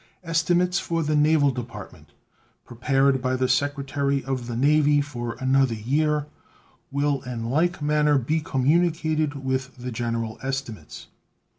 Estimates for the Naval Department, prepared by the Secretary of the Navy, for another year will in like manner be communicated with the general estimates.